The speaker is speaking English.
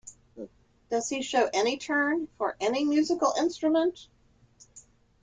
Does he show any turn for any musical instrument?